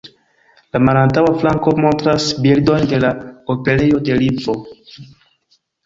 La malantaŭa flanko montras bildon de la operejo de Lvivo.